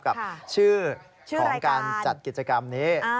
กับชื่อของการจัดกิจกรรมนี้